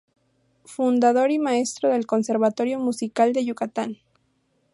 Fundador y maestro del Conservatorio Musical de Yucatán.